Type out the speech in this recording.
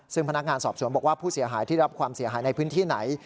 ซึ่งพนักงานสอบสวนบอกว่าผู้เสียหายที่รับความเสียหายในพื้นที่ไหน